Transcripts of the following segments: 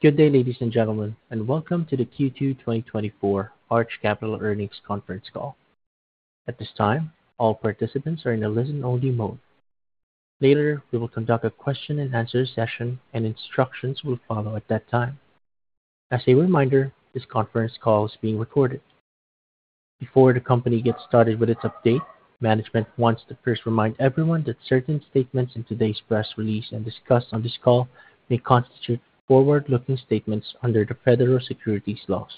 Good day, ladies and gentlemen, and welcome to the Q2 2024 Arch Capital Earnings Conference Call. At this time, all participants are in a listen-only mode. Later, we will conduct a question-and-answer session, and instructions will follow at that time. As a reminder, this conference call is being recorded. Before the company gets started with its update, management wants to first remind everyone that certain statements in today's press release and discussed on this call may constitute forward-looking statements under the federal securities laws.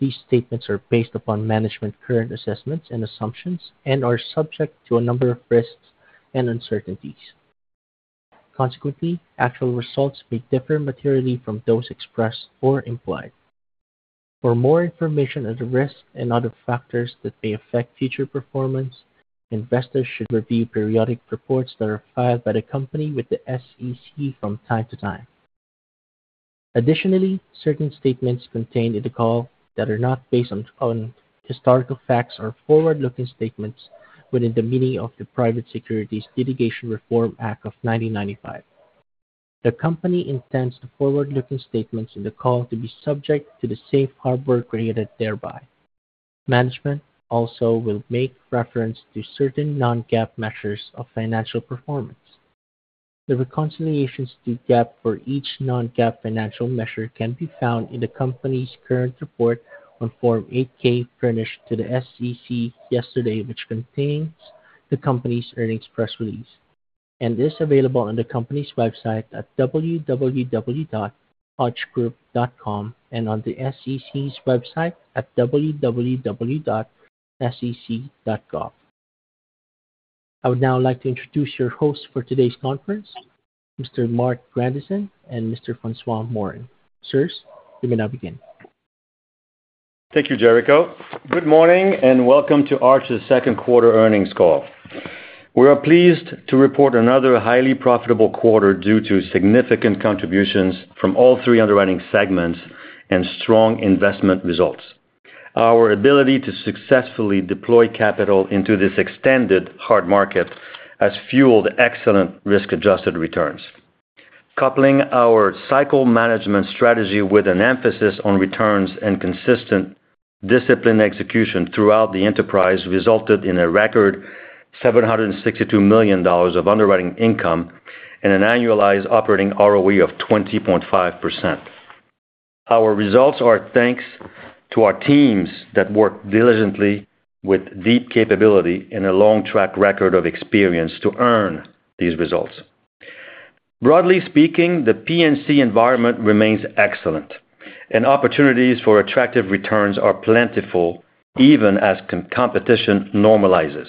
These statements are based upon management's current assessments and assumptions and are subject to a number of risks and uncertainties. Consequently, actual results may differ materially from those expressed or implied. For more information on the risks and other factors that may affect future performance, investors should review periodic reports that are filed by the company with the SEC from time to time. Additionally, certain statements contained in the call that are not based on historical facts are forward-looking statements within the meaning of the Private Securities Litigation Reform Act of 1995. The company intends the forward-looking statements in the call to be subject to the safe harbor created thereby. Management also will make reference to certain non-GAAP measures of financial performance. The reconciliations to GAAP for each non-GAAP financial measure can be found in the company's current report on Form 8-K furnished to the SEC yesterday, which contains the company's earnings press release, and is available on the company's website at www.archgroup.com and on the SEC's website at www.sec.gov. I would now like to introduce your hosts for today's conference, Mr. Marc Grandisson and Mr. François Morin. Sirs, you may now begin. Thank you, Jericho. Good morning, and welcome to Arch's second quarter earnings call. We are pleased to report another highly profitable quarter due to significant contributions from all three underwriting segments and strong investment results. Our ability to successfully deploy capital into this extended hard market has fueled excellent risk-adjusted returns. Coupling our cycle management strategy with an emphasis on returns and consistent disciplined execution throughout the enterprise resulted in a record $762 million of underwriting income and an annualized operating ROE of 20.5%. Our results are thanks to our teams that work diligently with deep capability and a long track record of experience to earn these results. Broadly speaking, the P&C environment remains excellent, and opportunities for attractive returns are plentiful, even as competition normalizes.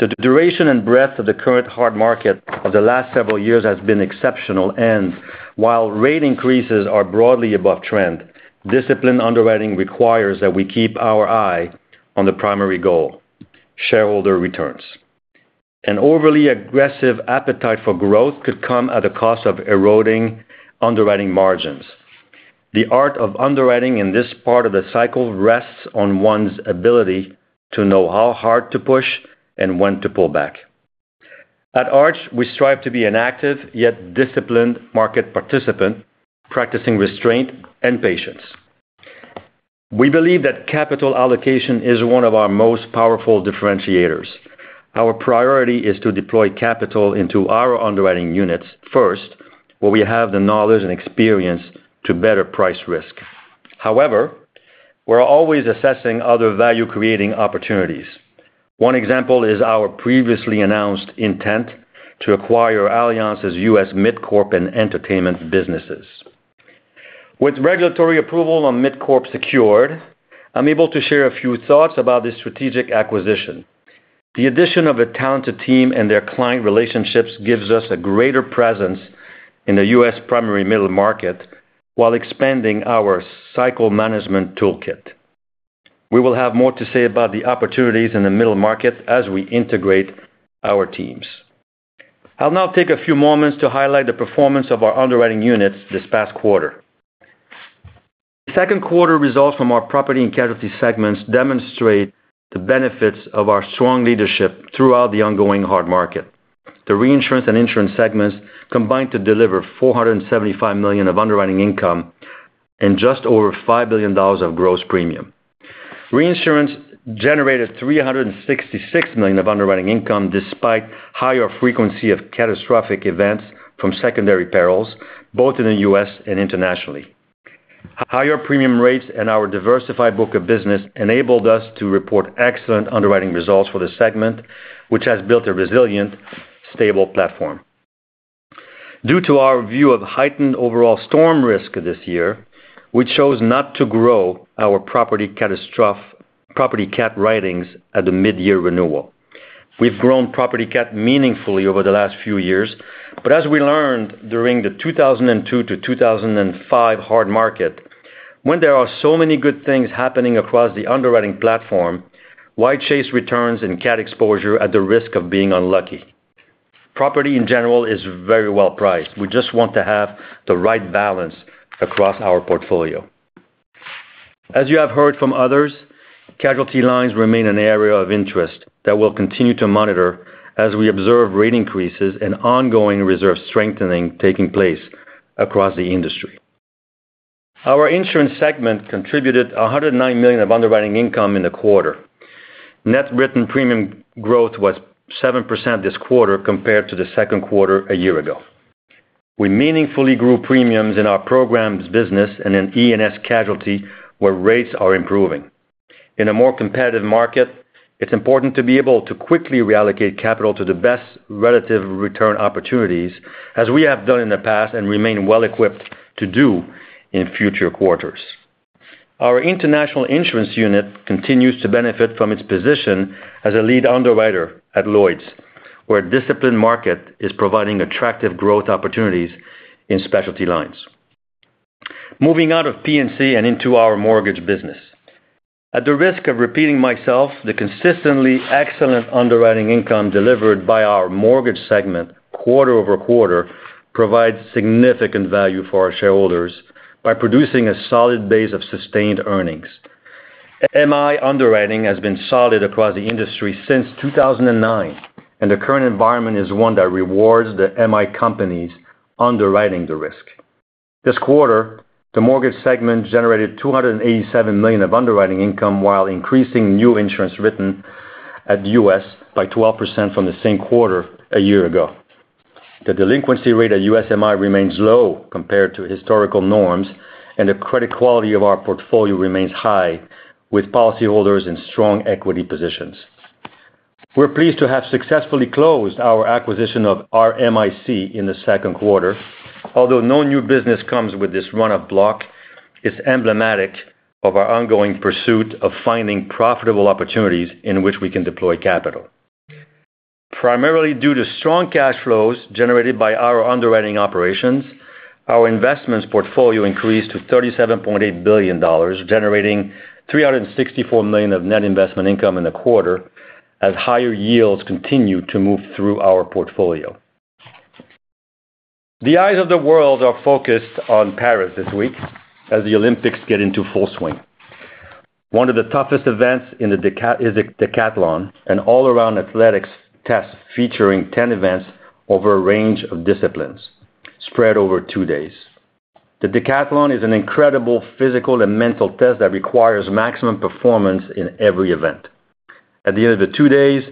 The duration and breadth of the current hard market of the last several years has been exceptional, and while rate increases are broadly above trend, disciplined underwriting requires that we keep our eye on the primary goal, shareholder returns. An overly aggressive appetite for growth could come at a cost of eroding underwriting margins. The art of underwriting in this part of the cycle rests on one's ability to know how hard to push and when to pull back. At Arch, we strive to be an active yet disciplined market participant, practicing restraint and patience. We believe that capital allocation is one of our most powerful differentiators. Our priority is to deploy capital into our underwriting units first, where we have the knowledge and experience to better price risk. However, we're always assessing other value-creating opportunities. One example is our previously announced intent to acquire Allianz's U.S. MidCorp and entertainment businesses. With regulatory approval on MidCorp secured, I'm able to share a few thoughts about this strategic acquisition. The addition of a talented team and their client relationships gives us a greater presence in the U.S. primary middle market while expanding our cycle management toolkit. We will have more to say about the opportunities in the middle market as we integrate our teams. I'll now take a few moments to highlight the performance of our underwriting units this past quarter. Second quarter results from our property and casualty segments demonstrate the benefits of our strong leadership throughout the ongoing hard market. The reinsurance and insurance segments combined to deliver $475 million of underwriting income and just over $5 billion of gross premium. Reinsurance generated $366 million of underwriting income, despite higher frequency of catastrophic events from secondary perils, both in the U.S. and internationally. Higher premium rates and our diversified book of business enabled us to report excellent underwriting results for the segment, which has built a resilient, stable platform. Due to our view of heightened overall storm risk this year, we chose not to grow our property cat writings at the mid-year renewal. We've grown property cat meaningfully over the last few years, but as we learned during the 2002 to 2005 hard market, when there are so many good things happening across the underwriting platform, why chase returns and cat exposure at the risk of being unlucky? Property, in general, is very well priced. We just want to have the right balance across our portfolio. As you have heard from others, casualty lines remain an area of interest that we'll continue to monitor as we observe rate increases and ongoing reserve strengthening taking place across the industry. Our insurance segment contributed $109 million of underwriting income in the quarter. Net written premium growth was 7% this quarter compared to the second quarter a year ago. We meaningfully grew premiums in our programs business and in E&S casualty, where rates are improving. In a more competitive market, it's important to be able to quickly reallocate capital to the best relative return opportunities, as we have done in the past and remain well equipped to do in future quarters. Our international insurance unit continues to benefit from its position as a lead underwriter at Lloyd's, where a disciplined market is providing attractive growth opportunities in specialty lines. Moving out of P&C and into our mortgage business. At the risk of repeating myself, the consistently excellent underwriting income delivered by our mortgage segment quarter over quarter, provides significant value for our shareholders by producing a solid base of sustained earnings. MI underwriting has been solid across the industry since 2009, and the current environment is one that rewards the MI companies underwriting the risk. This quarter, the mortgage segment generated $287 million of underwriting income, while increasing new insurance written at U.S. MI by 12% from the same quarter a year ago. The delinquency rate at U.S. MI remains low compared to historical norms, and the credit quality of our portfolio remains high with policyholders in strong equity positions. We're pleased to have successfully closed our acquisition of RMIC in the second quarter. Although no new business comes with this run-off block, it's emblematic of our ongoing pursuit of finding profitable opportunities in which we can deploy capital. Primarily due to strong cash flows generated by our underwriting operations, our investments portfolio increased to $37.8 billion, generating $364 million of net investment income in the quarter, as higher yields continue to move through our portfolio. The eyes of the world are focused on Paris this week as the Olympics get into full swing. One of the toughest events is the decathlon, an all-around athletics test featuring 10 events over a range of disciplines spread over two days. The decathlon is an incredible physical and mental test that requires maximum performance in every event. At the end of the two days,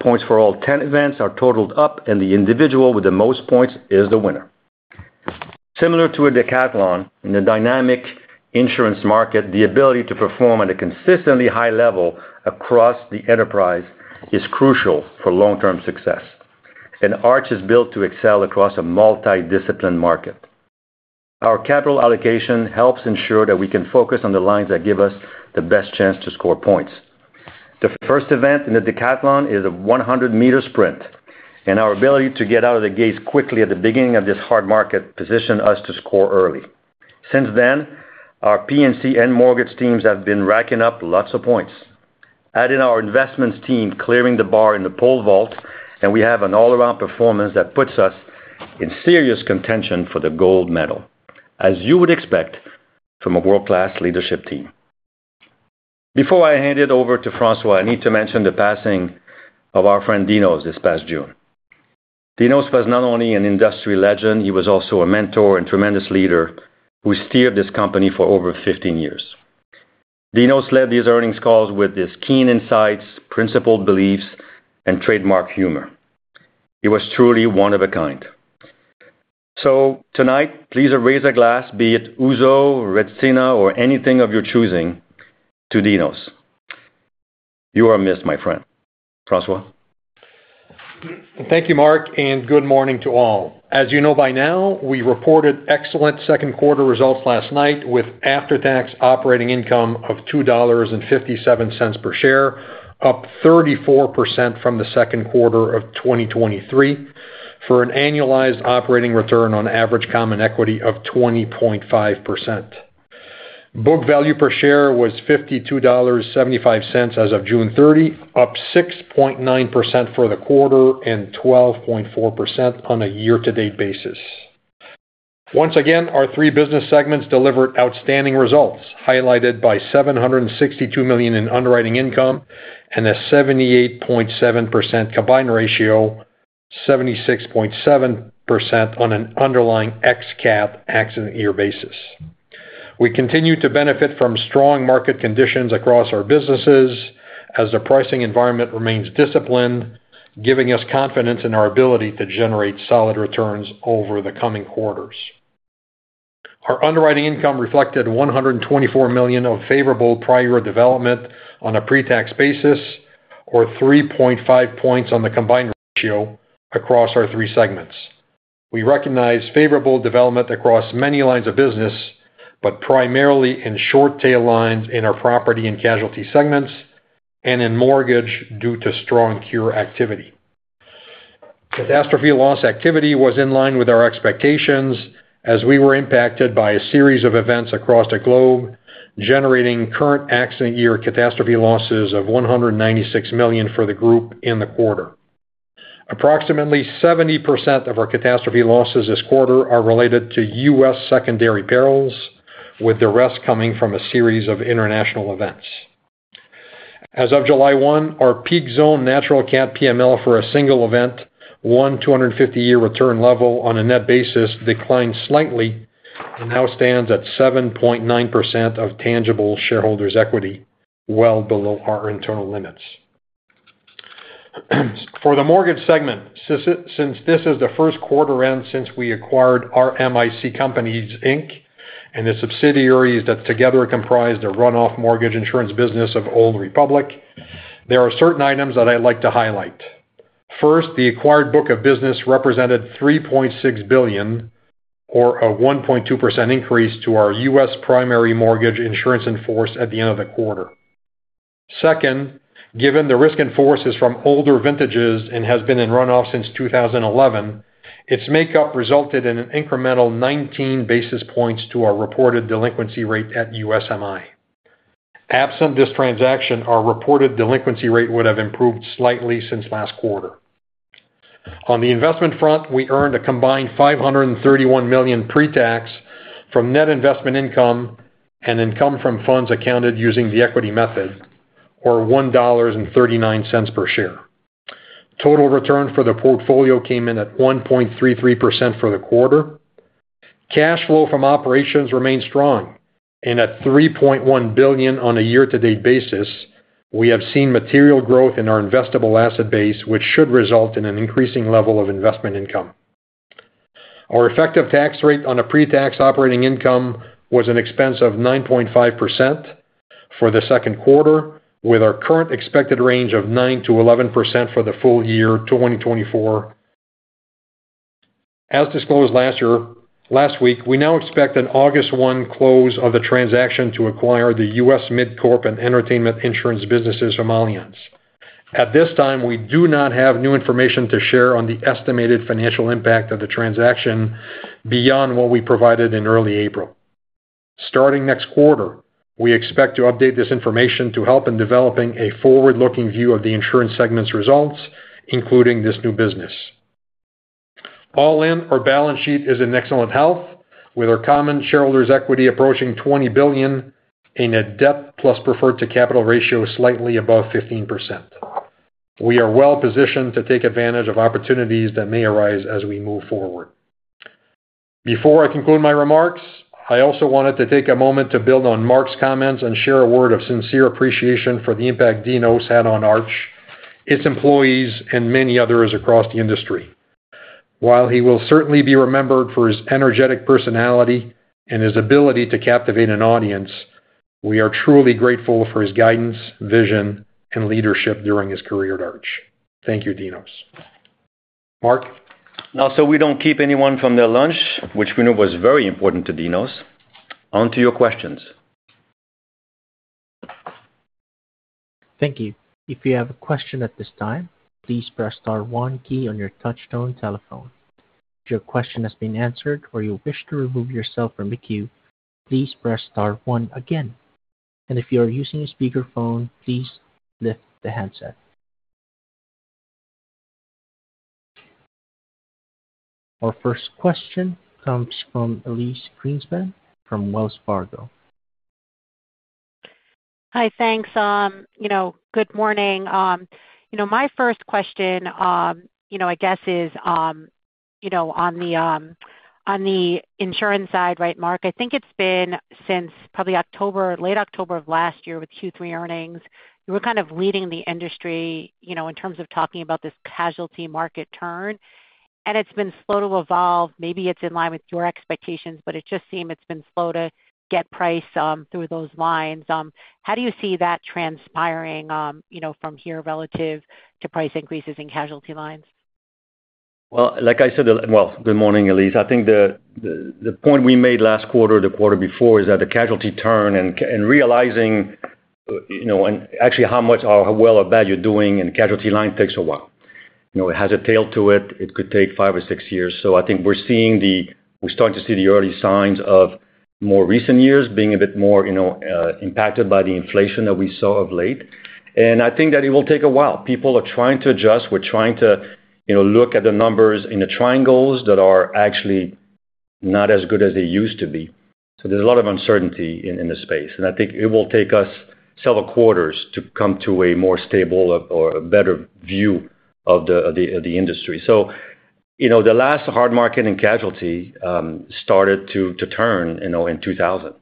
points for all 10 events are totaled up, and the individual with the most points is the winner. Similar to a decathlon, in a dynamic insurance market, the ability to perform at a consistently high level across the enterprise is crucial for long-term success, and Arch is built to excel across a multidiscipline market. Our capital allocation helps ensure that we can focus on the lines that give us the best chance to score points. The first event in the decathlon is a 100-meter sprint, and our ability to get out of the gates quickly at the beginning of this hard market positioned us to score early. Since then, our P&C and mortgage teams have been racking up lots of points. Add in our investments team, clearing the bar in the pole vault, and we have an all-around performance that puts us in serious contention for the gold medal, as you would expect from a world-class leadership team. Before I hand it over to François, I need to mention the passing of our friend, Dinos, this past June. Dinos was not only an industry legend, he was also a mentor and tremendous leader who steered this company for over 15 years. Dinos led these earnings calls with his keen insights, principled beliefs, and trademark humor. He was truly one of a kind. So tonight, please raise a glass, be it ouzo, retsina, or anything of your choosing, to Dinos. You are missed, my friend. François? Thank you, Mark, and good morning to all. As you know by now, we reported excellent second quarter results last night, with after-tax operating income of $2.57 per share, up 34% from the second quarter of 2023, for an annualized operating return on average common equity of 20.5%. Book value per share was $52.75 as of June 30, up 6.9% for the quarter and 12.4% on a year-to-date basis. Once again, our three business segments delivered outstanding results, highlighted by $762 million in underwriting income and a 78.7% combined ratio, 76.7% on an underlying ex-cat accident year basis. We continue to benefit from strong market conditions across our businesses as the pricing environment remains disciplined, giving us confidence in our ability to generate solid returns over the coming quarters. Our underwriting income reflected $124 million of favorable prior development on a pre-tax basis or 3.5 points on the combined ratio across our 3 segments. We recognize favorable development across many lines of business, but primarily in short tail lines in our property and casualty segments, and in mortgage due to strong cure activity. Catastrophe loss activity was in line with our expectations as we were impacted by a series of events across the globe, generating current accident year catastrophe losses of $196 million for the group in the quarter. Approximately 70% of our catastrophe losses this quarter are related to U.S. secondary perils, with the rest coming from a series of international events. As of July 1, our peak zone natural cat PML for a single event, 1-in-250-year return level on a net basis, declined slightly and now stands at 7.9% of tangible shareholders' equity, well below our internal limits. For the mortgage segment, since this is the first quarter end since we acquired our RMIC Companies, Inc., and the subsidiaries that together comprise the run-off mortgage insurance business of Old Republic, there are certain items that I'd like to highlight. First, the acquired book of business represented $3.6 billion, or a 1.2% increase to our US primary mortgage insurance in force at the end of the quarter. Second, given the risk in force is from older vintages and has been in run-off since 2011, its makeup resulted in an incremental 19 basis points to our reported delinquency rate at USMI. Absent this transaction, our reported delinquency rate would have improved slightly since last quarter. On the investment front, we earned a combined $531 million pre-tax from net investment income and income from funds accounted using the equity method, or $1.39 per share. Total return for the portfolio came in at 1.33% for the quarter. Cash flow from operations remained strong, and at $3.1 billion on a year-to-date basis, we have seen material growth in our investable asset base, which should result in an increasing level of investment income. Our effective tax rate on a pre-tax operating income was an expense of 9.5% for the second quarter, with our current expected range of 9%-11% for the full year 2024. As disclosed last week, we now expect an August 1 close of the transaction to acquire the U.S. MidCorp and entertainment insurance businesses from Allianz. At this time, we do not have new information to share on the estimated financial impact of the transaction beyond what we provided in early April. Starting next quarter, we expect to update this information to help in developing a forward-looking view of the insurance segment's results, including this new business. All in, our balance sheet is in excellent health, with our common shareholders' equity approaching $20 billion and a debt plus preferred to capital ratio slightly above 15%. We are well positioned to take advantage of opportunities that may arise as we move forward. Before I conclude my remarks, I also wanted to take a moment to build on Mark's comments and share a word of sincere appreciation for the impact Dinos had on Arch, its employees, and many others across the industry. While he will certainly be remembered for his energetic personality and his ability to captivate an audience, we are truly grateful for his guidance, vision and leadership during his career at Arch. Thank you, Dinos. Mark? Now, so we don't keep anyone from their lunch, which we know was very important to Dinos, on to your questions. Thank you. If you have a question at this time, please press star one key on your touchtone telephone. If your question has been answered or you wish to remove yourself from the queue, please press star one again, and if you are using a speakerphone, please lift the handset. Our first question comes from Elise Greenspan from Wells Fargo. Hi, thanks. You know, good morning. You know, my first question, you know, is, you know, on the, on the insurance side, right, Mark. I think it's been since probably October, late October of last year with Q3 earnings. You were kind of leading the industry, you know, in terms of talking about this casualty market turn, and it's been slow to evolve. Maybe it's in line with your expectations, but it just seem it's been slow to get price, through those lines. How do you see that transpiring, you know, from here relative to price increases in casualty lines? Well, like I said, well, good morning, Elise. I think the point we made last quarter, the quarter before, is that the casualty turn and realizing, you know, and actually how much or how well or bad you're doing in the casualty line takes a while. You know, it has a tail to it. It could take five or six years. So I think we're seeing -- we're starting to see the early signs of more recent years being a bit more, you know, impacted by the inflation that we saw of late. And I think that it will take a while. People are trying to adjust. We're trying to, you know, look at the numbers in the triangles that are actually not as good as they used to be. So there's a lot of uncertainty in, in the space, and I think it will take us several quarters to come to a more stable or, or a better view of the, of the, the industry. So, you know, the last hard market in casualty started to, to turn, you know, in 2000.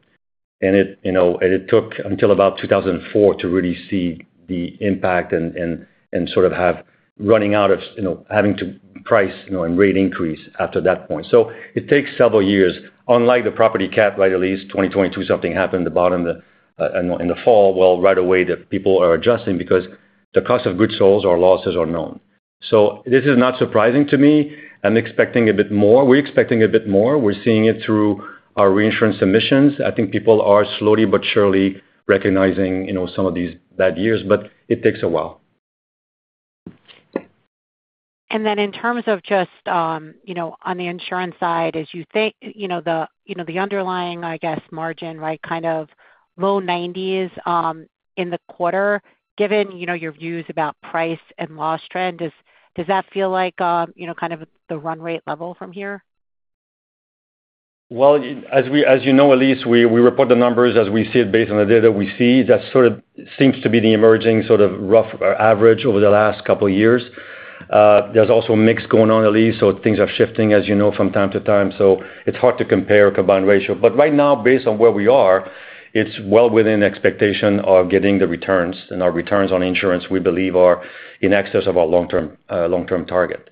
And it, you know, and it took until about 2004 to really see the impact and, and, and sort of have running out of, you know, having to price, you know, and rate increase after that point. So it takes several years, unlike the property cat, right, at least 2022, something happened at the bottom, the, in the, in the fall. Well, right away, the people are adjusting because the cost of goods sold or losses are known. So this is not surprising to me. I'm expecting a bit more. We're expecting a bit more. We're seeing it through our reinsurance submissions. I think people are slowly but surely recognizing, you know, some of these bad years, but it takes a while. And then in terms of just, you know, on the insurance side, as you think, you know, the, you know, the underlying, I guess, margin, right, kind of low 90s, in the quarter, given, you know, your views about price and loss trend, does, does that feel like, you know, kind of the run rate level from here? Well, as you know, Elise, we report the numbers as we see it based on the data we see. That sort of seems to be the emerging sort of rough average over the last couple of years. There's also a mix going on, Elise, so things are shifting, as you know, from time to time. So it's hard to compare combined ratio. But right now, based on where we are, it's well within expectation of getting the returns. And our returns on insurance, we believe, are in excess of our long-term target.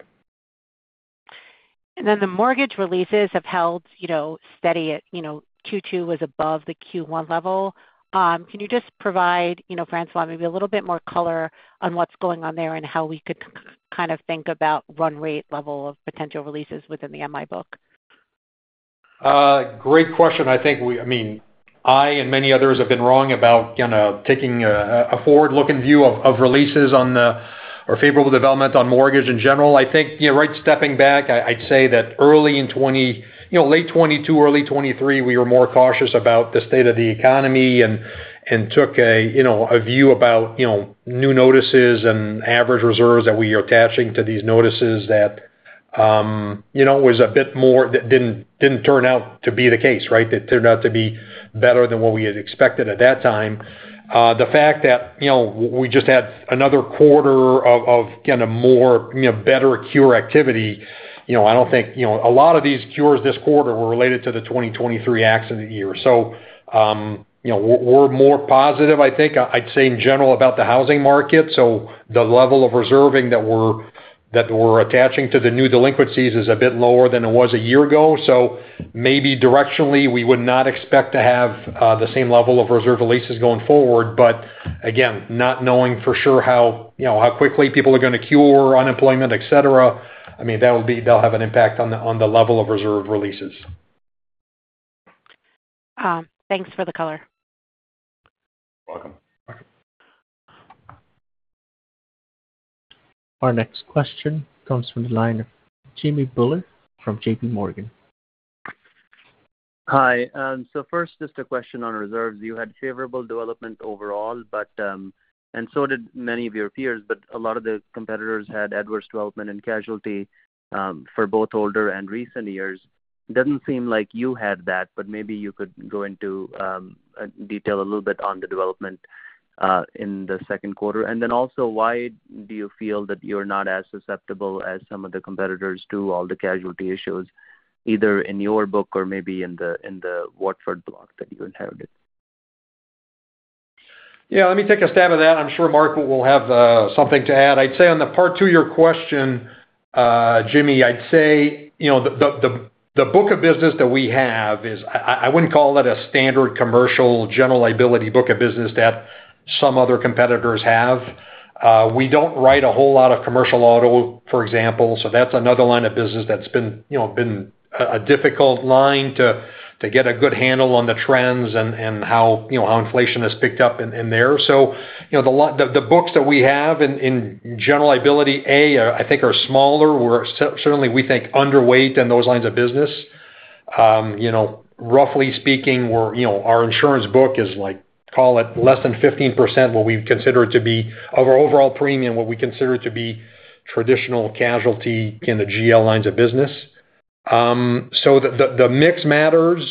Then the mortgage releases have held, you know, steady at, you know, Q2 was above the Q1 level. Can you just provide, you know, François, maybe a little bit more color on what's going on there and how we could kind of think about run rate level of potential releases within the MI book? Great question. I think we—I mean, I and many others have been wrong about, you know, taking a forward-looking view of releases on the—or favorable development on mortgage in general. I think, you know, right, stepping back, I, I'd say that early in 2020—you know, late 2022, early 2023, we were more cautious about the state of the economy and took a, you know, a view about, you know, new notices and average reserves that we are attaching to these notices that, you know, was a bit more... That didn't turn out to be the case, right? It turned out to be better than what we had expected at that time. The fact that, you know, we just had another quarter of, of again, a more, you know, better cure activity, you know, I don't think, you know, a lot of these cures this quarter were related to the 2023 accident year. So, you know, we're more positive, I think, I'd say, in general, about the housing market. So the level of reserving that we're attaching to the new delinquencies is a bit lower than it was a year ago. So maybe directionally, we would not expect to have the same level of reserve releases going forward. But again, not knowing for sure how, you know, how quickly people are going to cure unemployment, et cetera, I mean, that'll have an impact on the level of reserve releases. Thanks for the color. You're welcome. Okay. Our next question comes from the line of Jimmy Bhullar from J.P. Morgan. Hi, so first, just a question on reserves. You had favorable development overall, but and so did many of your peers, but a lot of the competitors had adverse development in casualty for both older and recent years. It doesn't seem like you had that, but maybe you could go into detail a little bit on the development in the second quarter. And then also, why do you feel that you're not as susceptible as some of the competitors to all the casualty issues, either in your book or maybe in the Watford block that you inherited? Yeah, let me take a stab at that. I'm sure Mark will have something to add. I'd say on the part two of your question, Jimmy, I'd say, you know, the book of business that we have is... I wouldn't call it a standard commercial general liability book of business that some other competitors have. We don't write a whole lot of commercial auto, for example, so that's another line of business that's been, you know, a difficult line to get a good handle on the trends and how inflation has picked up in there. So, you know, the books that we have in general liability, I think are smaller. We're certainly, we think, underweight in those lines of business. You know, roughly speaking, we're, you know, our insurance book is like, call it, less than 15% what we consider to be of our overall premium, what we consider to be traditional casualty in the GL lines of business. So the mix matters.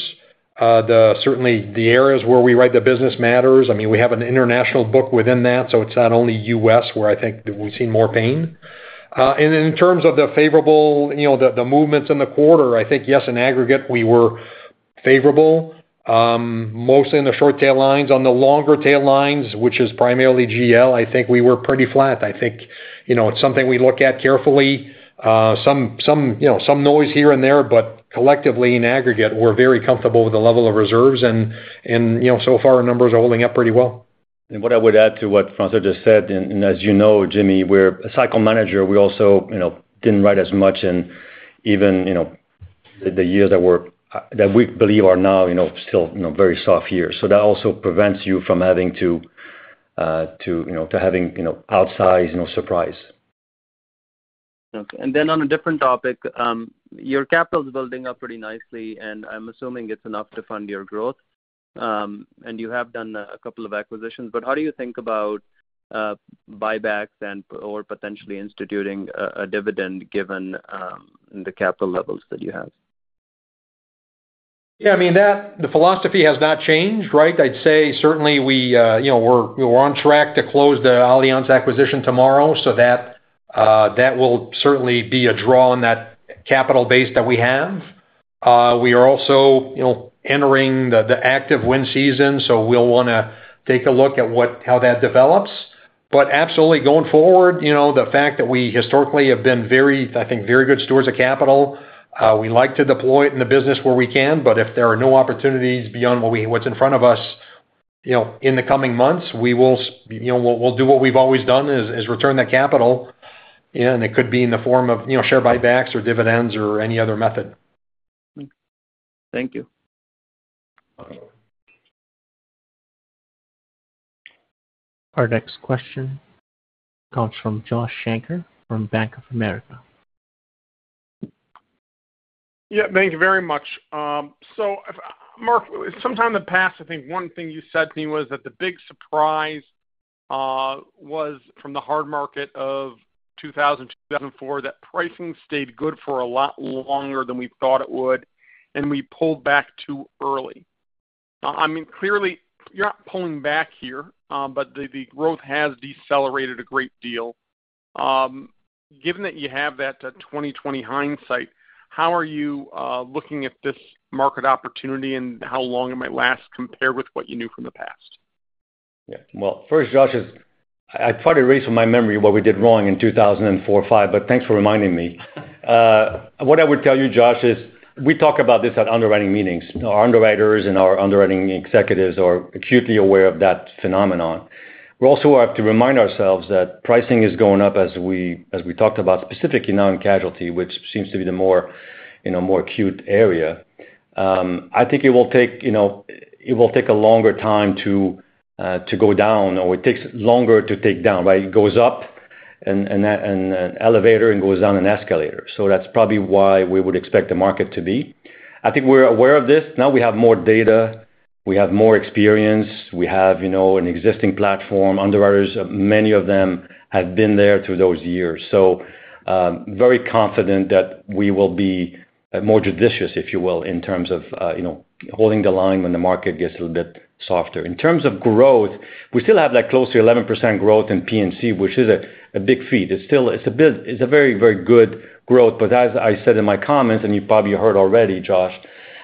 Certainly, the areas where we write the business matters. I mean, we have an international book within that, so it's not only U.S., where I think we've seen more pain. And in terms of the favorable, you know, the movements in the quarter, I think, yes, in aggregate, we were favorable, mostly in the short tail lines. On the longer tail lines, which is primarily GL, I think we were pretty flat. I think, you know, it's something we look at carefully. Some, you know, some noise here and there, but collectively, in aggregate, we're very comfortable with the level of reserves, and you know, so far our numbers are holding up pretty well. What I would add to what François just said, and as you know, Jimmy, we're a cycle manager. We also, you know, didn't write as much in even, you know, the years that were, that we believe are now, you know, still, you know, very soft years. So that also prevents you from having to, you know, having, you know, outsized, you know, surprise. Okay. And then on a different topic, your capital is building up pretty nicely, and I'm assuming it's enough to fund your growth. And you have done a couple of acquisitions, but how do you think about buybacks and/or potentially instituting a dividend given the capital levels that you have? Yeah, I mean, that the philosophy has not changed, right? I'd say certainly we, you know, we're on track to close the Allianz acquisition tomorrow, so that will certainly be a draw on that capital base that we have. We are also, you know, entering the active wind season, so we'll want to take a look at how that develops. But absolutely, going forward, you know, the fact that we historically have been very, I think, very good stewards of capital, we like to deploy it in the business where we can, but if there are no opportunities beyond what's in front of us, you know, in the coming months, we will, you know, we'll, we'll do what we've always done is, is return the capital, and it could be in the form of, you know, share buybacks or dividends or any other method. Thank you. You're welcome. Our next question comes from Josh Shanker from Bank of America. Yeah, thank you very much. So Mark, sometime in the past, I think one thing you said to me was that the big surprise-... was from the Hard Market of 2004, that pricing stayed good for a lot longer than we thought it would, and we pulled back too early. I mean, clearly, you're not pulling back here, but the growth has decelerated a great deal. Given that you have that 20/20 hindsight, how are you looking at this market opportunity, and how long it might last compared with what you knew from the past? Yeah. Well, first, Josh, is I tried to erase from my memory what we did wrong in 2004, 2005, but thanks for reminding me. What I would tell you, Josh, is we talk about this at underwriting meetings. Our underwriters and our underwriting executives are acutely aware of that phenomenon. We also have to remind ourselves that pricing is going up as we, as we talked about, specifically now in casualty, which seems to be the more, you know, more acute area. I think it will take, you know, it will take a longer time to, to go down, or it takes longer to take down. But it goes up and, and, and an elevator and goes down an escalator. So that's probably why we would expect the market to be. I think we're aware of this. Now we have more data, we have more experience, we have, you know, an existing platform. Underwriters, many of them have been there through those years. So, very confident that we will be more judicious, if you will, in terms of, you know, holding the line when the market gets a little bit softer. In terms of growth, we still have that close to 11% growth in P&C, which is a big feat. It's still a very, very good growth, but as I said in my comments, and you probably heard already, Josh,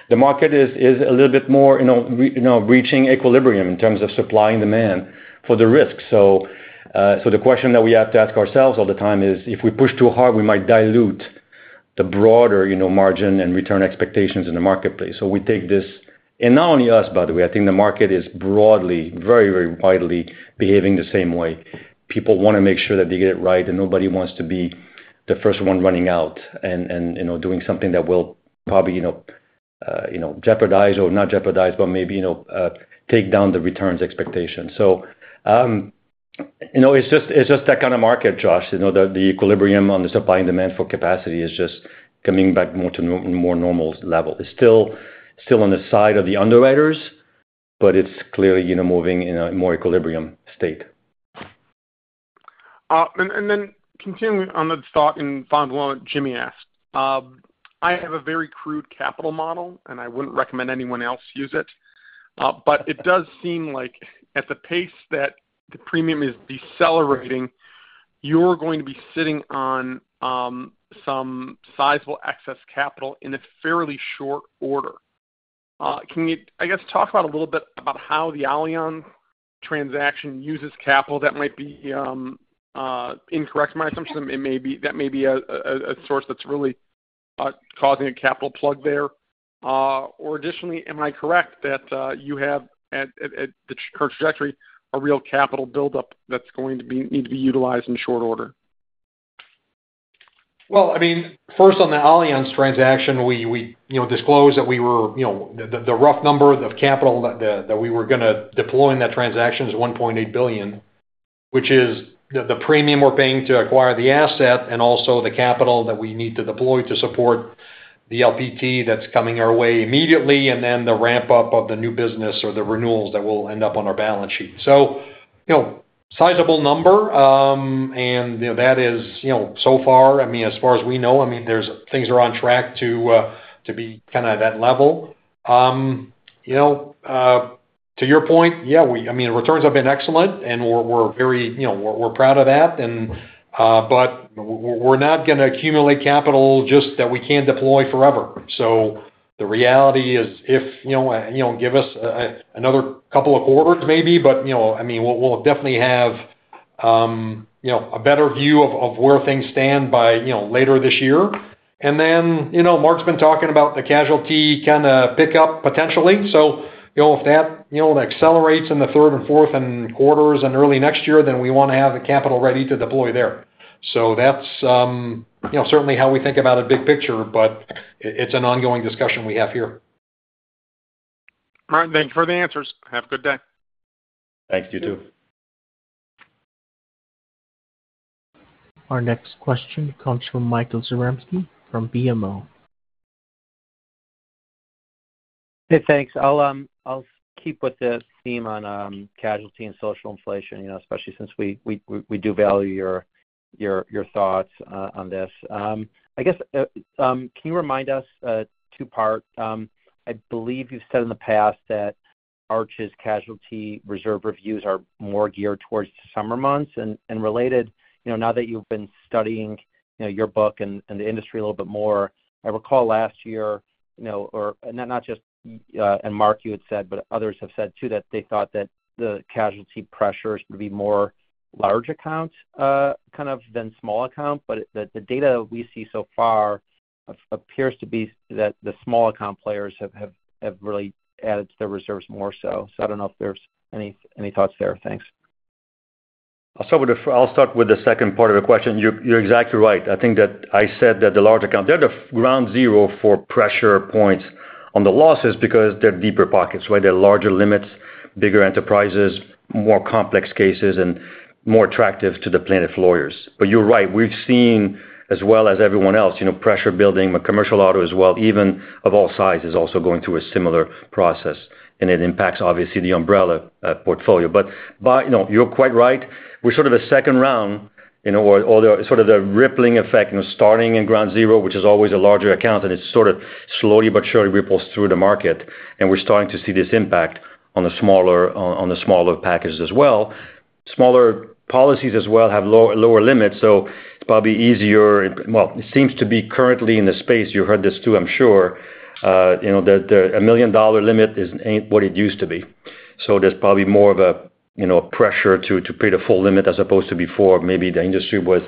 the market is a little bit more, you know, reaching equilibrium in terms of supply and demand for the risk. So, the question that we have to ask ourselves all the time is, if we push too hard, we might dilute the broader, you know, margin and return expectations in the marketplace. So we take this... And not only us, by the way, I think the market is broadly, very, very widely behaving the same way. People want to make sure that they get it right, and nobody wants to be the first one running out and, you know, doing something that will probably, you know, jeopardize, or not jeopardize, but maybe, you know, take down the returns expectation. So, you know, it's just, it's just that kind of market, Josh. You know, the equilibrium on the supply and demand for capacity is just coming back more to more normal level. It's still, still on the side of the underwriters, but it's clearly, you know, moving in a more equilibrium state. Then continuing on that thought and follow on what Jimmy asked. I have a very crude capital model, and I wouldn't recommend anyone else use it. But it does seem like at the pace that the premium is decelerating, you're going to be sitting on some sizable excess capital in a fairly short order. Can you, I guess, talk about a little bit about how the Allianz transaction uses capital? That might be incorrect, my assumption, it may be that may be a source that's really causing a capital plug there. Or additionally, am I correct that you have at the current trajectory, a real capital buildup that's going to need to be utilized in short order? Well, I mean, first, on the Allianz transaction, we you know disclosed that the rough number of capital that we were gonna deploy in that transaction is $1.8 billion, which is the premium we're paying to acquire the asset and also the capital that we need to deploy to support the LPT that's coming our way immediately, and then the ramp-up of the new business or the renewals that will end up on our balance sheet. So, you know, sizable number, and, you know, that is, you know, so far, I mean, as far as we know, I mean, things are on track to be kind of at that level. You know, to your point, yeah, we—I mean, returns have been excellent, and we're, we're very, you know, we're, we're proud of that and, but we're not gonna accumulate capital just that we can't deploy forever. So the reality is, if, you know, you don't give us another couple of quarters, maybe, but, you know, I mean, we'll, we'll definitely have, you know, a better view of where things stand by, you know, later this year. And then, you know, Mark's been talking about the casualty kind of pick up potentially. So, you know, if that, you know, accelerates in the third and fourth quarters and early next year, then we want to have the capital ready to deploy there. So that's, you know, certainly how we think about it big picture, but it's an ongoing discussion we have here. All right, thank you for the answers. Have a good day. Thanks, you too. Our next question comes from Michael Zaremski, from BMO. Hey, thanks. I'll keep with the theme on casualty and social inflation, you know, especially since we do value your thoughts on this. I guess can you remind us two-part. I believe you've said in the past that Arch's casualty reserve reviews are more geared towards the summer months and related, you know, now that you've been studying, you know, your book and the industry a little bit more. I recall last year, you know, or not just Mark, you had said, but others have said, too, that they thought that the casualty pressures would be more large accounts kind of than small accounts, but the data we see so far appears to be that the small account players have really added to their reserves more so. I don't know if there's any thoughts there. Thanks. I'll start with the second part of the question. You're exactly right. I think that I said that the large account, they're the ground zero for pressure points on the losses because they're deeper pockets, right? They're larger limits, bigger enterprises, more complex cases, and more attractive to the plaintiff lawyers. But you're right, we've seen as well as everyone else, you know, pressure building, but commercial auto as well, even of all sizes, also going through a similar process, and it impacts, obviously, the umbrella portfolio. But you know, you're quite right. We're sort of a second round, you know, where all the sort of the rippling effect, you know, starting in ground zero, which is always a larger account, and it's sort of slowly but surely ripples through the market, and we're starting to see this impact on the smaller, on, on the smaller packages as well. Smaller policies as well have low- lower limits, so it's probably easier. Well, it seems to be currently in the space, you heard this too, I'm sure, you know, that the a million-dollar limit is, ain't what it used to be. So there's probably more of a, you know, pressure to, to pay the full limit, as opposed to before maybe the industry was,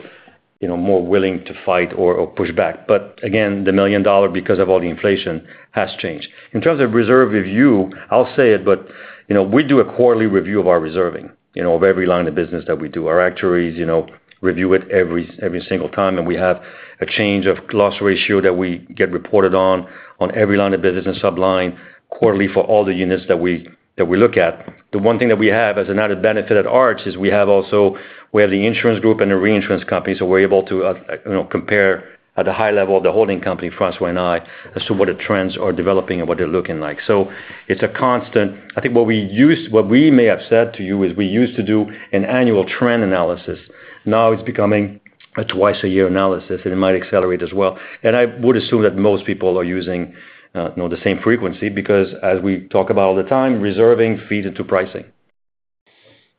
you know, more willing to fight or, or push back. But again, the million dollar, because of all the inflation, has changed. In terms of reserve review, I'll say it, but, you know, we do a quarterly review of our reserving, you know, of every line of business that we do. Our actuaries, you know, review it every single time, and we have a change of loss ratio that we get reported on, on every line of business and subline quarterly for all the units that we look at. The one thing that we have as an added benefit at Arch is we also have the insurance group and the reinsurance company, so we're able to, you know, compare at a high level of the holding company, François and I, as to what the trends are developing and what they're looking like. So it's a constant. I think what we may have said to you is we used to do an annual trend analysis. Now it's becoming a twice-a-year analysis, and it might accelerate as well. And I would assume that most people are using, you know, the same frequency, because as we talk about all the time, reserving feeds into pricing.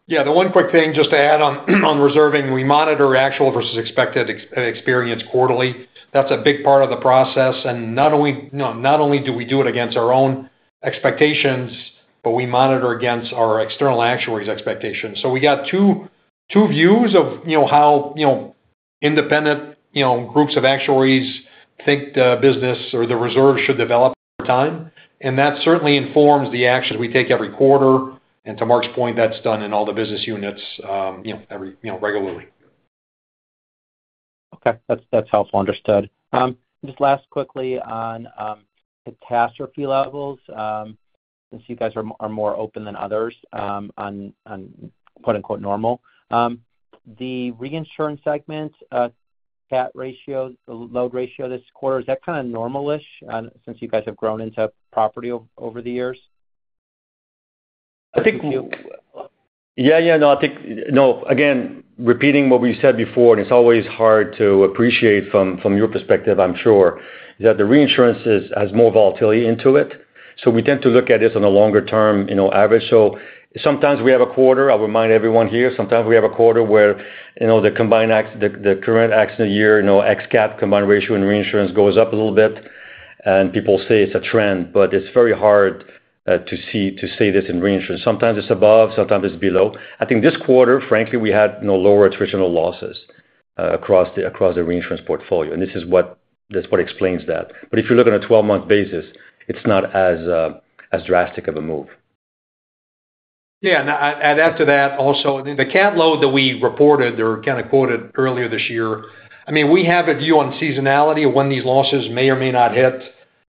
Yeah, the one quick thing, just to add on, on reserving, we monitor actual versus expected experience quarterly. That's a big part of the process, and not only, you know, not only do we do it against our own expectations, but we monitor against our external actuaries' expectations. So we got two views of, you know, how, you know, independent, you know, groups of actuaries think the business or the reserve should develop over time, and that certainly informs the actions we take every quarter. And to Mark's point, that's done in all the business units, you know, every, you know, regularly. Okay, that's, that's helpful. Understood. Just last quickly on catastrophe levels, since you guys are more open than others, on quote, unquote, "normal." The reinsurance segment, cat ratio, the loss ratio this quarter, is that kind of normal-ish, since you guys have grown into property over the years? I think- Yeah, yeah. No, I think. No, again, repeating what we've said before, and it's always hard to appreciate from your perspective, I'm sure, that the reinsurance has more volatility into it. So we tend to look at this on a longer term, you know, average. So sometimes we have a quarter, I'll remind everyone here, sometimes we have a quarter where, you know, the combined accident year ex-cat combined ratio for reinsurance goes up a little bit, and people say it's a trend, but it's very hard to see to say this in reinsurance. Sometimes it's above, sometimes it's below. I think this quarter, frankly, we had no lower attritional losses across the reinsurance portfolio, and this is what, that's what explains that. But if you look on a 12-month basis, it's not as drastic of a move. Yeah, and I, I'd add to that also, the cat load that we reported or kind of quoted earlier this year, I mean, we have a view on seasonality of when these losses may or may not hit.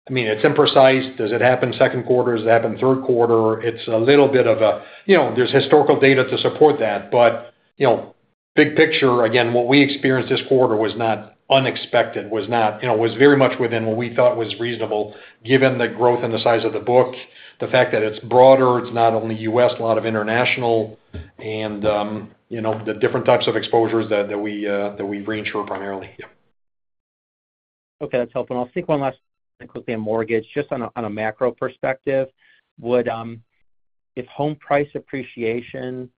I mean, it's imprecise. Does it happen second quarter? Does it happen third quarter? It's a little bit of a... You know, there's historical data to support that, but, you know, big picture, again, what we experienced this quarter was not unexpected, was not, you know, was very much within what we thought was reasonable, given the growth and the size of the book, the fact that it's broader, it's not only U.S., a lot of international, and, you know, the different types of exposures that, that we, that we reinsure primarily. Okay, that's helpful. I'll seek one last thing quickly on mortgage. Just on a macro perspective, would, if home price appreciation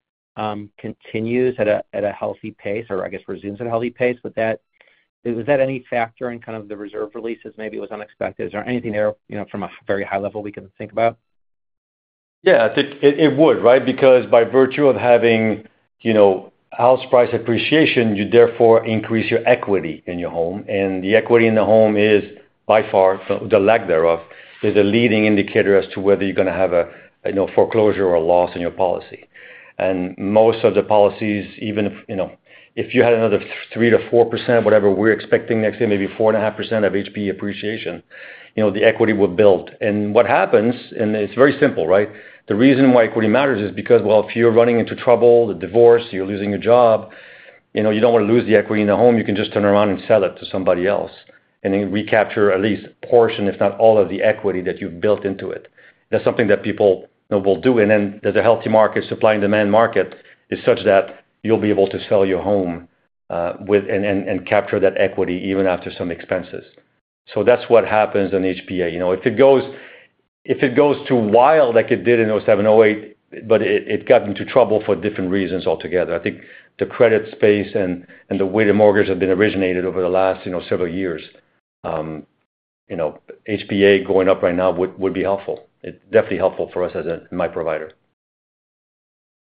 continues at a healthy pace, or I guess resumes at a healthy pace, would that—is that any factor in kind of the reserve releases? Maybe it was unexpected. Is there anything there, you know, from a very high level we can think about? Yeah, I think it would, right? Because by virtue of having, you know, home price appreciation, you therefore increase your equity in your home, and the equity in the home is by far, the lack thereof, is a leading indicator as to whether you're gonna have a, you know, foreclosure or a loss in your policy. Most of the policies, even if, you know, if you had another 3%-4%, whatever we're expecting next year, maybe 4.5% of HPA appreciation, you know, the equity would build. What happens, and it's very simple, right? The reason why equity matters is because, well, if you're running into trouble, the divorce, you're losing your job, you know, you don't want to lose the equity in the home, you can just turn around and sell it to somebody else and then recapture at least a portion, if not all, of the equity that you've built into it. That's something that people know will do. And then there's a healthy market, supply and demand market, is such that you'll be able to sell your home with and capture that equity even after some expenses. So that's what happens in HPA. You know, if it goes, if it goes too wild, like it did in 2007, 2008, but it, it got into trouble for different reasons altogether. I think the credit space and the way the mortgages have been originated over the last, you know, several years, you know, HPA going up right now would be helpful. It's definitely helpful for us as an MI provider.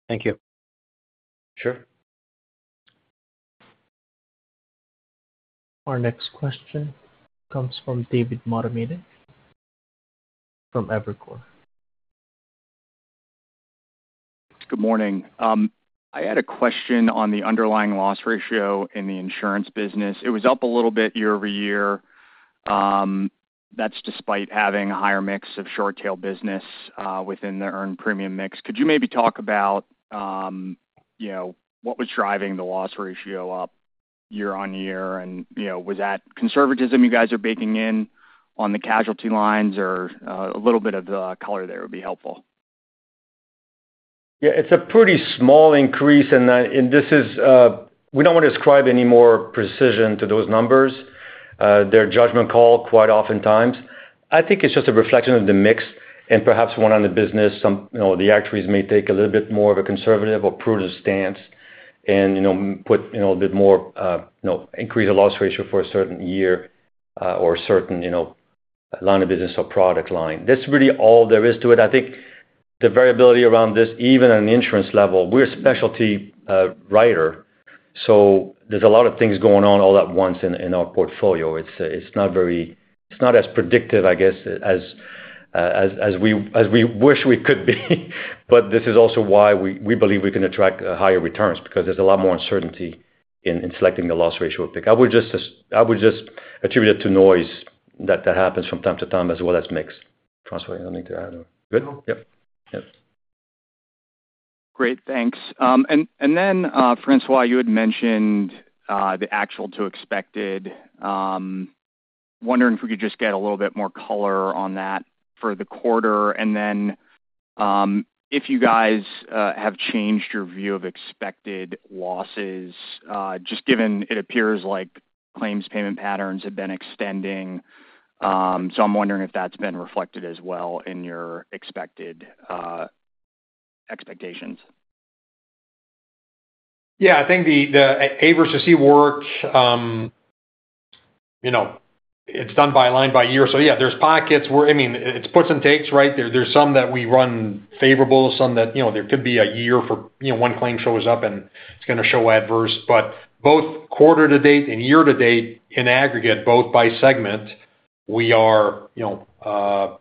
Thank you. Sure. Our next question comes from David Motamedi, from Evercore. Good morning. I had a question on the underlying loss ratio in the insurance business. It was up a little bit year-over-year. That's despite having a higher mix of short tail business within the earned premium mix. Could you maybe talk about, you know, what was driving the loss ratio up year-over-year? And, you know, was that conservatism you guys are baking in on the casualty lines, or, a little bit of the color there would be helpful. Yeah, it's a pretty small increase, and this is, we don't wanna describe any more precision to those numbers. They're judgment call quite oftentimes. I think it's just a reflection of the mix and perhaps one on the business. Some, you know, the actuaries may take a little bit more of a conservative or prudent stance and, you know, put, you know, a bit more, you know, increase the loss ratio for a certain year, or a certain, you know, line of business or product line. That's really all there is to it. I think the variability around this, even on an insurance level, we're a specialty writer, so there's a lot of things going on all at once in our portfolio. It's not as predictive, I guess, as we wish we could be. But this is also why we believe we can attract higher returns, because there's a lot more uncertainty in selecting the loss ratio pick. I would just attribute it to noise that happens from time to time as well as mix. François, anything to add or good? Yep. Yep. Great, thanks. And then, François, you had mentioned the actual to expected. Wondering if we could just get a little bit more color on that for the quarter. And then, if you guys have changed your view of expected losses, just given it appears like claims payment patterns have been extending. So I'm wondering if that's been reflected as well in your expected expectations. Yeah, I think the, the A versus E work, you know, it's done by line by year. So yeah, there's pockets where, I mean, it's puts and takes, right? There's some that we run favorable, some that, you know, there could be a year for, you know, one claim shows up, and it's gonna show adverse. But both quarter to date and year to date, in aggregate, both by segment, we are, you know,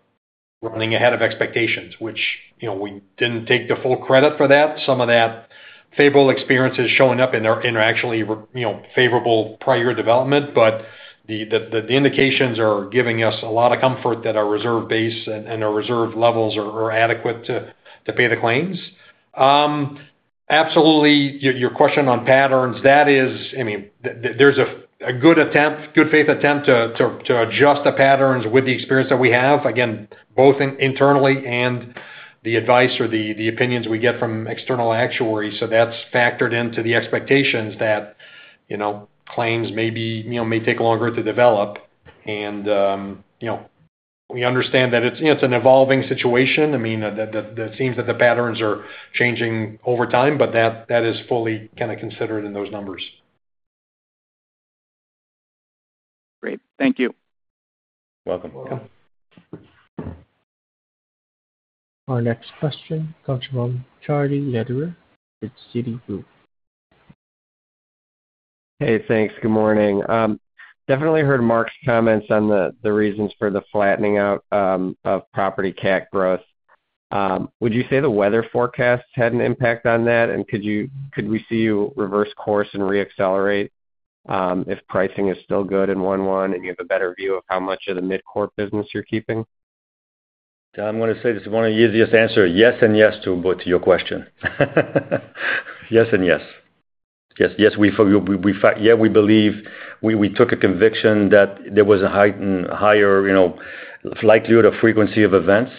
running ahead of expectations, which, you know, we didn't take the full credit for that. Some of that favorable experience is showing up in our, in our actually re- you know, favorable prior development. But the, the, the indications are giving us a lot of comfort that our reserve base and, and our reserve levels are, are adequate to, to pay the claims. Absolutely, your question on patterns, that is, I mean, there's a good attempt, good faith attempt to adjust the patterns with the experience that we have, again, both internally and the advice or the opinions we get from external actuaries. So that's factored into the expectations that, you know, claims may be, you know, may take longer to develop. And, you know, we understand that it's, you know, it's an evolving situation. I mean, it seems that the patterns are changing over time, but that is fully kind of considered in those numbers. Great. Thank you. Welcome. Our next question comes from Charlie Lederer with Citi. Hey, thanks. Good morning. Definitely heard Mark's comments on the reasons for the flattening out of property cat growth. Would you say the weather forecast had an impact on that? And could you - could we see you reverse course and reaccelerate if pricing is still good in 1Q, and you have a better view of how much of the MidCorp business you're keeping? I'm gonna say this is one of the easiest answer, yes, and yes to both your question. Yes and yes. Yes, yes. Yeah, we believe we, we took a conviction that there was a heightened, higher, you know, likelihood of frequency of events.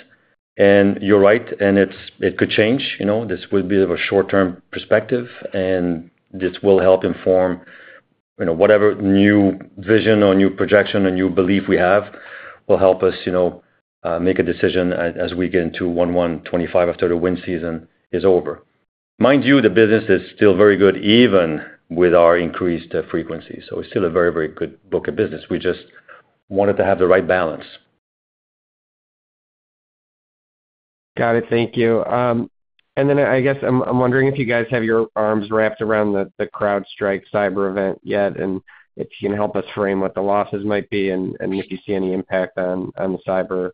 And you're right, and it's-- it could change, you know. This would be of a short-term perspective, and this will help inform, you know, whatever new vision or new projection a new belief we have, will help us, you know, make a decision as, as we get into 1/1/2025, after the wind season is over. Mind you, the business is still very good, even with our increased frequency, so it's still a very, very good book of business. We just wanted to have the right balance. Got it. Thank you. And then, I guess, I'm wondering if you guys have your arms wrapped around the CrowdStrike cyber event yet, and if you can help us frame what the losses might be and if you see any impact on the cyber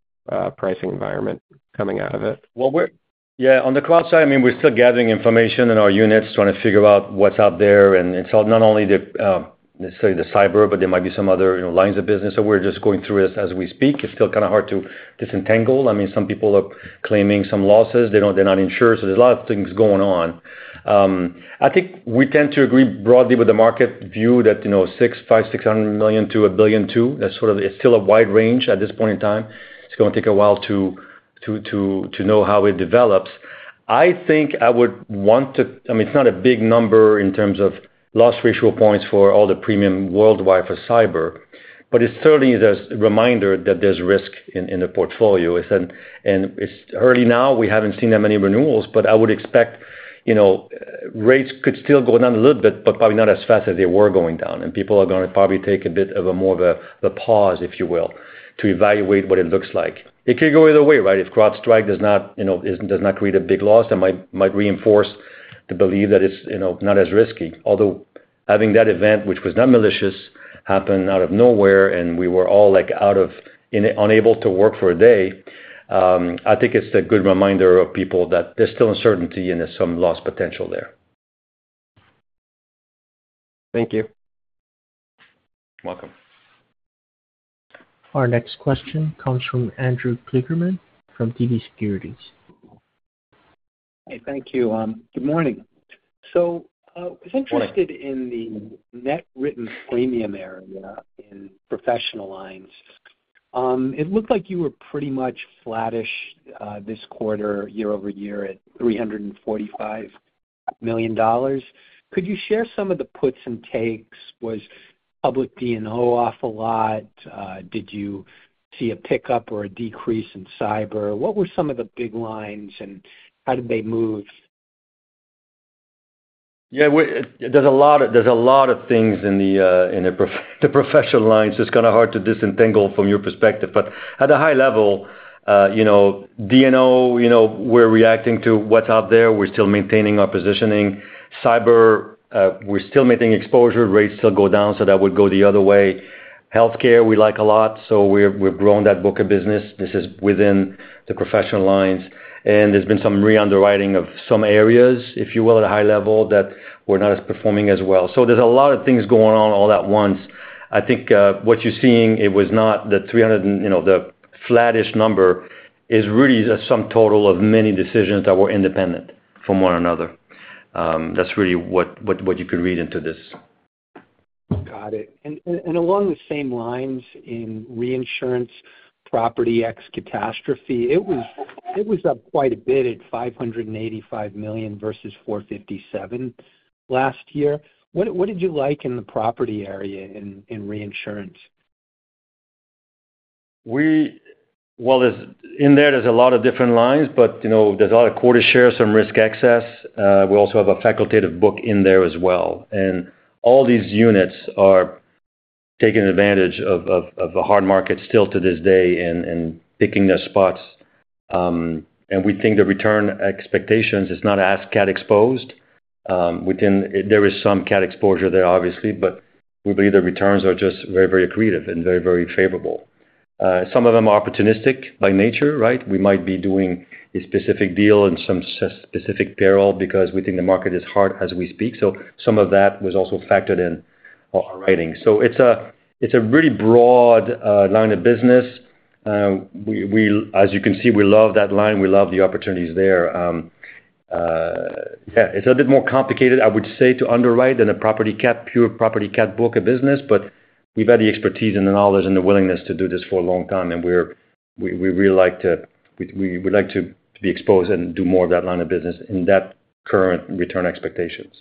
pricing environment coming out of it? Well, we're. Yeah, on the CrowdStrike, I mean, we're still gathering information in our units, trying to figure out what's out there. And it's not only the necessarily the cyber, but there might be some other, you know, lines of business, so we're just going through it as we speak. It's still kind of hard to disentangle. I mean, some people are claiming some losses. They don't - they're not insured, so there's a lot of things going on. I think we tend to agree broadly with the market view that, you know, $500 million-$600 million to $1.2 billion, that's sort of. It's still a wide range at this point in time. It's gonna take a while to know how it develops. I think I would want to. I mean, it's not a big number in terms of loss ratio points for all the premium worldwide for cyber, but it's certainly there's a reminder that there's risk in the portfolio. It's an and it's early now, we haven't seen that many renewals, but I would expect, you know, rates could still go down a little bit, but probably not as fast as they were going down. And people are gonna probably take a bit more of a pause, if you will, to evaluate what it looks like. It could go either way, right? If CrowdStrike does not, you know, does not create a big loss, that might reinforce the belief that it's, you know, not as risky. Although having that event, which was not malicious, happen out of nowhere, and we were all, like, unable to work for a day, I think it's a good reminder to people that there's still uncertainty and there's some loss potential there.... Thank you. Welcome. Our next question comes from Andrew Kligerman from TD Securities. Hey, thank you. Good morning. I was interested- Good morning. in the net written premium area in professional lines. It looked like you were pretty much flattish, this quarter, year-over-year at $345 million. Could you share some of the puts and takes? Was public D&O off a lot? Did you see a pickup or a decrease in cyber? What were some of the big lines, and how did they move? Yeah, we're—there's a lot of, there's a lot of things in the professional lines. It's kind of hard to disentangle from your perspective. But at a high level, you know, D&O, you know, we're reacting to what's out there. We're still maintaining our positioning. Cyber, we're still maintaining exposure, rates still go down, so that would go the other way. Healthcare, we like a lot, so we've grown that book of business. This is within the professional lines, and there's been some re-underwriting of some areas, if you will, at a high level, that were not as performing as well. So there's a lot of things going on all at once. I think what you're seeing, it was not the 300 and, you know, the flattish number is really a sum total of many decisions that were independent from one another. That's really what you could read into this. Got it. And along the same lines, in reinsurance, property ex catastrophe, it was up quite a bit at $585 million versus $457 million last year. What did you like in the property area in reinsurance? Well, in there, there's a lot of different lines, but, you know, there's a lot of quota shares, some risk excess. We also have a facultative book in there as well. And all these units are taking advantage of the hard market still to this day and picking their spots. And we think the return expectations is not as cat exposed. Within, there is some cat exposure there, obviously, but we believe the returns are just very, very accretive and very, very favorable. Some of them are opportunistic by nature, right? We might be doing a specific deal and some specific peril because we think the market is hard as we speak, so some of that was also factored in our writing. So it's a really broad line of business. As you can see, we love that line. We love the opportunities there. Yeah, it's a bit more complicated, I would say, to underwrite than a property cat, pure property cat book of business, but we've had the expertise and the knowledge and the willingness to do this for a long time, and we're really like to... We would like to be exposed and do more of that line of business in that current return expectations.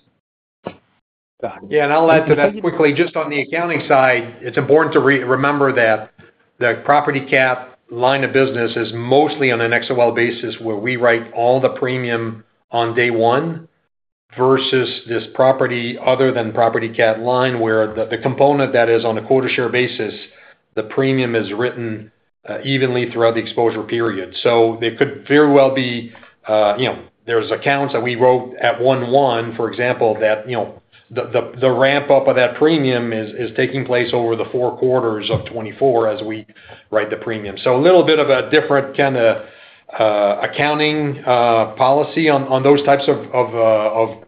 Got it. Yeah, and I'll add to that quickly. Just on the accounting side, it's important to remember that the property cat line of business is mostly on an XOL basis, where we write all the premium on day one versus this property, other than property cat line, where the component that is on a quota share basis, the premium is written evenly throughout the exposure period. So it could very well be, you know, there's accounts that we wrote at 1/1, for example, that, you know, the ramp-up of that premium is taking place over the four quarters of 2024 as we write the premium. So a little bit of a different kind of accounting policy on those types of,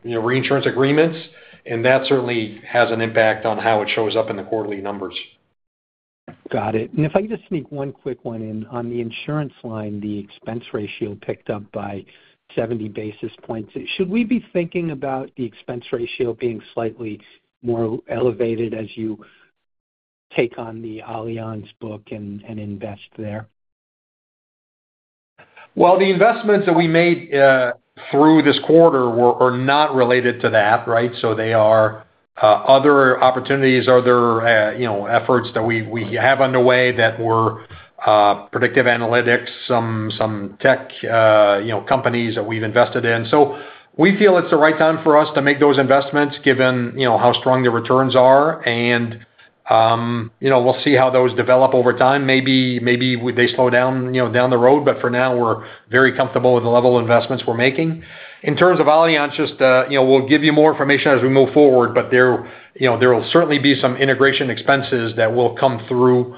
you know, reinsurance agreements, and that certainly has an impact on how it shows up in the quarterly numbers. Got it. And if I could just sneak one quick one in. On the insurance line, the expense ratio picked up by 70 basis points. Should we be thinking about the expense ratio being slightly more elevated as you take on the Allianz book and invest there? Well, the investments that we made through this quarter were, are not related to that, right? So they are other opportunities, other, you know, efforts that we, we have underway that were predictive analytics, some, some tech, you know, companies that we've invested in. So we feel it's the right time for us to make those investments, given, you know, how strong the returns are, and, you know, we'll see how those develop over time. Maybe, maybe they slow down, you know, down the road, but for now, we're very comfortable with the level of investments we're making. In terms of Allianz, just, you know, we'll give you more information as we move forward, but there, you know, there will certainly be some integration expenses that will come through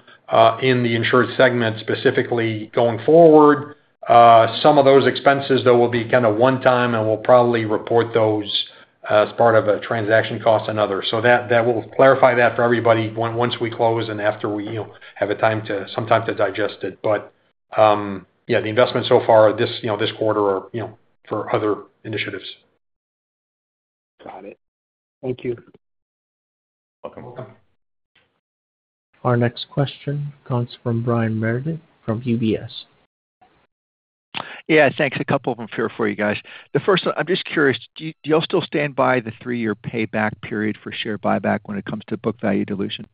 in the insured segment, specifically going forward. Some of those expenses, though, will be kind of one-time, and we'll probably report those as part of a transaction costs and other. So that, that will clarify that for everybody on- once we close and after we, you know, have a time to, some time to digest it. But, yeah, the investment so far this, you know, this quarter are, you know, for other initiatives. Got it. Thank you. Welcome, welcome. Our next question comes from Brian Meredith from UBS. Yeah, thanks. A couple of them here for you guys. The first one, I'm just curious, do you all still stand by the three-year payback period for share buyback when it comes to book value dilution?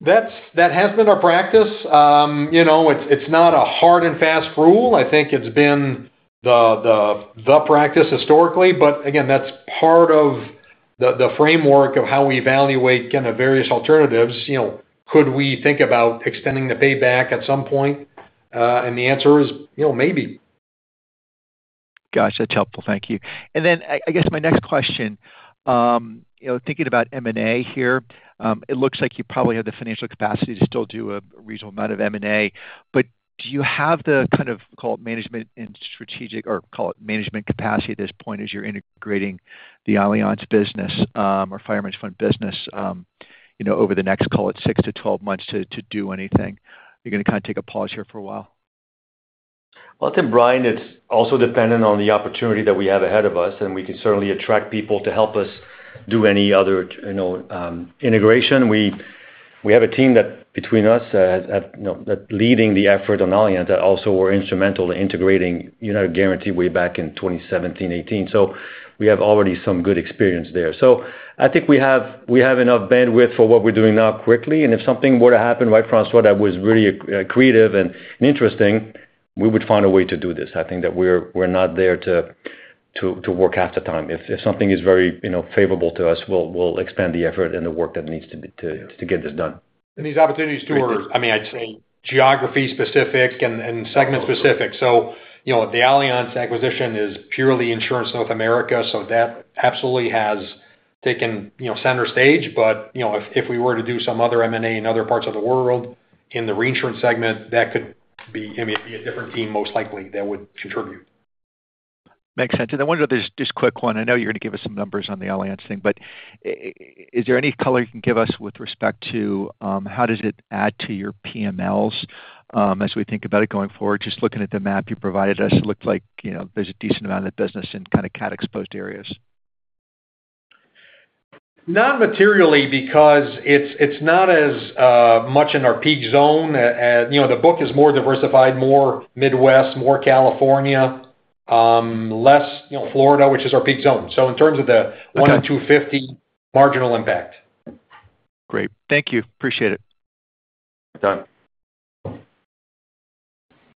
That has been our practice. You know, it's not a hard and fast rule. I think it's been the practice historically, but again, that's part of the framework of how we evaluate kind of various alternatives. You know, could we think about extending the payback at some point? And the answer is, you know, maybe. Gosh, that's helpful. Thank you. And then I guess my next question, you know, thinking about M&A here, it looks like you probably have the financial capacity to still do a reasonable amount of M&A, but do you have the kind of, call it management and strategic, or call it management capacity at this point as you're integrating the Allianz business, or Fireman's Fund business, you know, over the next, call it 6-12 months to do anything? You're gonna kind of take a pause here for a while. Well, I think, Brian, it's also dependent on the opportunity that we have ahead of us, and we can certainly attract people to help us do any other, you know, integration. We have a team that between us at, you know, that leading the effort on Allianz, that also were instrumental in integrating, you know, Guaranty way back in 2017, 2018. So we have already some good experience there. So I think we have enough bandwidth for what we're doing now quickly, and if something were to happen, right, François, that was really creative and interesting, we would find a way to do this. I think that we're not there to work half the time. If something is very, you know, favorable to us, we'll expand the effort and the work that needs to be to get this done. These opportunities are, I mean, I'd say geography specific and segment specific. So, you know, the Allianz acquisition is purely insurance North America, so that absolutely has taken, you know, center stage. But, you know, if we were to do some other M&A in other parts of the world in the reinsurance segment, that could be, I mean, it'd be a different team most likely that would contribute. Makes sense. And I wonder, just quick one. I know you're going to give us some numbers on the Allianz thing, but I... Is there any color you can give us with respect to how does it add to your PMLs, as we think about it going forward? Just looking at the map you provided us, it looked like, you know, there's a decent amount of business in kind of cat exposed areas. Not materially, because it's not as much in our peak zone. You know, the book is more diversified, more Midwest, more California, less, you know, Florida, which is our peak zone. So in terms of the 1-in-250, marginal impact. Great. Thank you. Appreciate it. Done.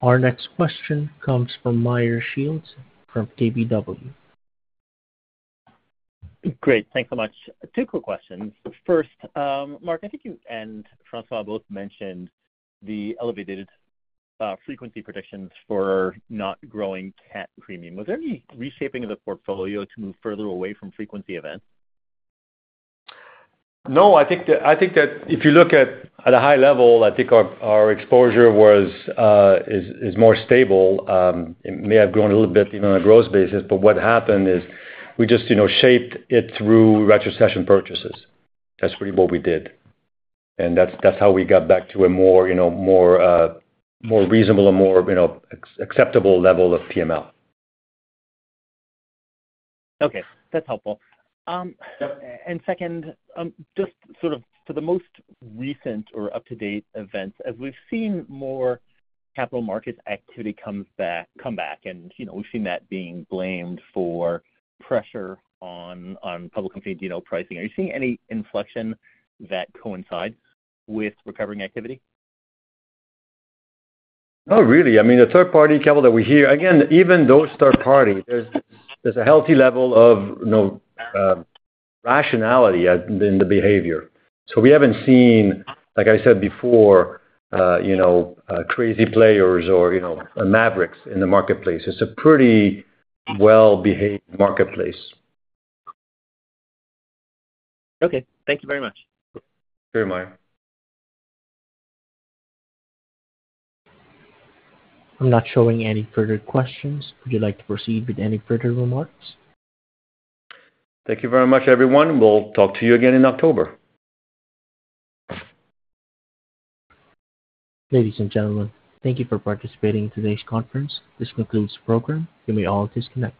Our next question comes from Meyer Shields from KBW. Great. Thanks so much. Two quick questions. First, Mark, I think you and François both mentioned the elevated frequency predictions for not growing cat premium. Was there any reshaping of the portfolio to move further away from frequency events? No, I think that, I think that if you look at, at a high level, I think our, our exposure was, is, is more stable. It may have grown a little bit even on a growth basis, but what happened is we just, you know, shaped it through retrocession purchases. That's really what we did. And that's, that's how we got back to a more, you know, more, more reasonable and more, you know, acceptable level of PML. Okay. That's helpful. And second, just sort of for the most recent or up-to-date events, as we've seen more capital markets activity come back, and, you know, we've seen that being blamed for pressure on public and D&O pricing. Are you seeing any inflection that coincides with recovering activity? Not really. I mean, the third-party capital that we hear. Again, even those third-party, there's a healthy level of, you know, rationality in the behavior. So we haven't seen, like I said before, you know, crazy players or, you know, mavericks in the marketplace. It's a pretty well-behaved marketplace. Okay. Thank you very much. Sure, Meyer. I'm not showing any further questions. Would you like to proceed with any further remarks? Thank you very much, everyone. We'll talk to you again in October. Ladies and gentlemen, thank you for participating in today's conference. This concludes the program. You may all disconnect.